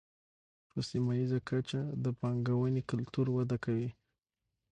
په سیمه ییزه کچه د پانګونې کلتور وده کوي.